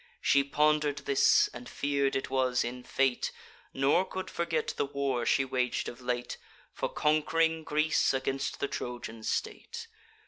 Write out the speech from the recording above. She ponder'd this, and fear'd it was in fate; Nor could forget the war she wag'd of late For conqu'ring Greece against the Trojan state.